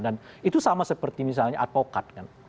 dan itu sama seperti misalnya advokat